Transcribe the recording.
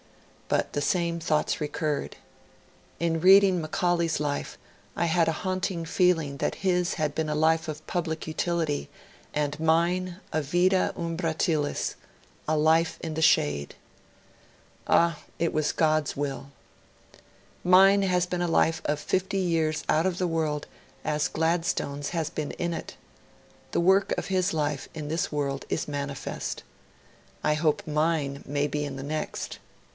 But the same thoughts recurred. 'In reading Macaulay's life I had a haunting feeling that his had been a life of public utility and mine a vita umbratilis, a life in the shade.' Ah! it was God's will. 'Mine has been a life of fifty years out of the world as Gladstone's has been in it. The work of his life in this world is manifest. I hope mine may be in the next.